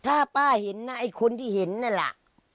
ถ้าป้าเห็นนะไอ้คนที่เห็นนั่นแหละ